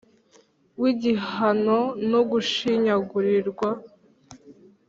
w’igihano n’ugushinyagurirwa.